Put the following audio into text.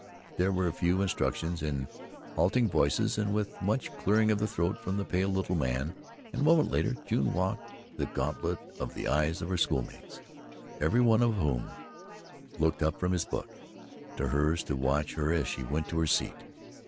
There were a few instructions in a halting voice and with much clearing of the throat from the pale little man; and a moment later June walked the gauntlet of the eyes of her schoolmates, every one of whom looked up from his book or hers to watch her as she went to her seat.